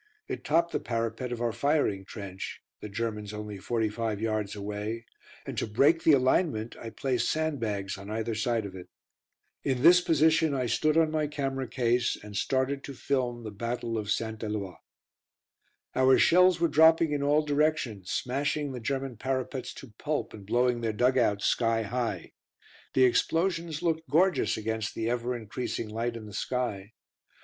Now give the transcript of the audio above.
It topped the parapet of our firing trench (the Germans only forty five yards away), and to break the alignment I placed sandbags on either side of it. In this position I stood on my camera case, and started to film the Battle of St. Eloi. Our shells were dropping in all directions, smashing the German parapets to pulp and blowing their dug outs sky high. The explosions looked gorgeous against the ever increasing light in the sky.